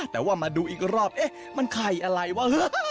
แต่ว่ามาดูอีกรอบเอ๊ะมันไข่อะไรวะ